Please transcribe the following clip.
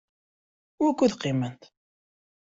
Wukud qiment?